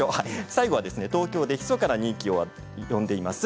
最後は東京で、ひそかな人気を呼んでいます